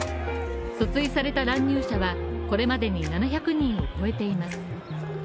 訴追された乱入者はこれまでに７００人を超えています。